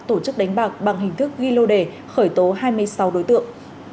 tổ chức đánh bạc bằng hình thức ghi lô đề khởi tố hai mươi sáu đối tượng